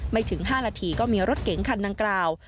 ถึง๕นาทีก็มีรถเก๋งคันดังกล่าว